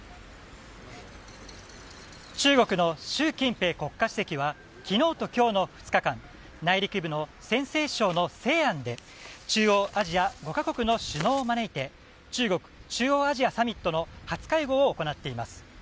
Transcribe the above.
中国の習近平国家主席は昨日と今日の２日間内陸部の陝西省の西安で中央アジア５か国の首脳を招いて中国・中央アジアサミットの初会合を行っています。